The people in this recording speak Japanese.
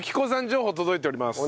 情報届いております。